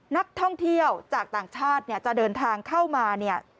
นักท่องเที่ยวจากต่างชาติจะเดินทางเข้ามา